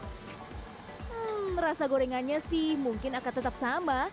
hmm rasa gorengannya sih mungkin akan tetap sama